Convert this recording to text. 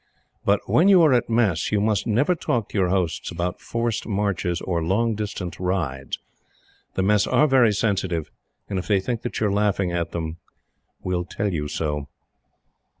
But, when you are at Mess, you must never talk to your hosts about forced marches or long distance rides. The Mess are very sensitive; and, if they think that you are laughing at them, will tell you so.